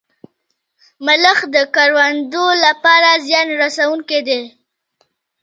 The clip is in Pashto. ملخ د کروندو لپاره زیان رسوونکی دی